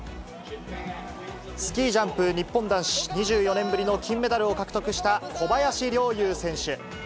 スキージャンプ日本男子、２４年ぶりの金メダルを獲得した、小林陵侑選手。